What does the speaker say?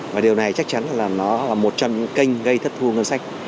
và điều này chắc chắn là nó là một trong những kênh gây thất thu ngân sách